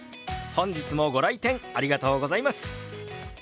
本日もご来店ありがとうございます。